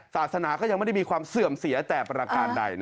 ศาสนาก็ยังไม่ได้มีความเสื่อมเสียแต่ประการใด